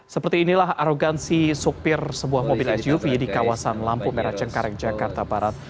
seperti inilah arogansi sopir sebuah mobil suv di kawasan lampu merah cengkareng jakarta barat